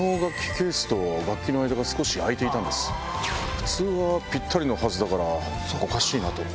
普通はぴったりのはずだからおかしいなと。